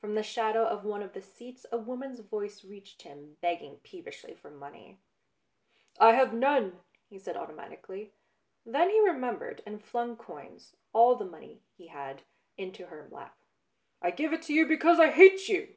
From the shadow of one of the seats a woman's voice reached him, begging peevishly for money. " I have none," he said automatically. Then he remembered and flung coins, all the money he had, into her lap. " I give it to you because I hate you